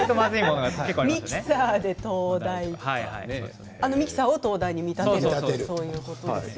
ミキサーで灯台とかミキサーを灯台に見立てているということですね。